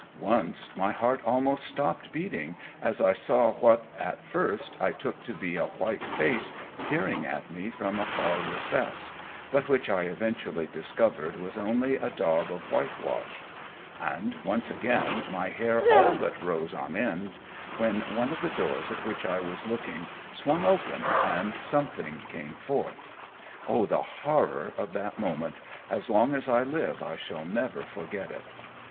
Once my heart almost stopped beating as I saw what, at first, I took to be a white face peering at me from a far recess, but which I eventually discovered was only a daub of whitewash; and, once again, my hair all but rose on end, when one of the doors at which I was looking swung open and something came forth. Oh, the horror of that moment, as long as I live I shall never forget it.